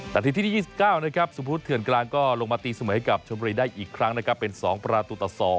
นาทีที่๒๙สุภพุธเถื่อนกลางกลอยลงมาตีสมัยกับชนบุรีได้อีกครั้งเป็น๒ประตูต่อ๒